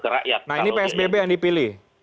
rakyat nah ini psbb yang dipilih